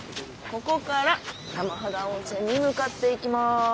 ここから玉肌温泉に向かっていきます。